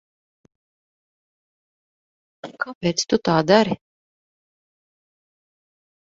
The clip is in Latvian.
Kāpēc tu tā dari?